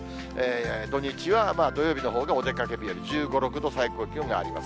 土日は土曜日のほうがお出かけ日和、１５、６度、最高気温があります。